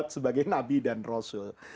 sebagai nabi dan rasul